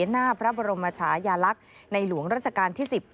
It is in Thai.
หน้าพระบรมชายาลักษณ์ในหลวงราชการที่๑๐